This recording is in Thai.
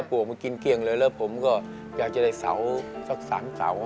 กลัวมากินเที่ยงเลยแล้วผมก็อยากจะได้เสาสัก๓เสา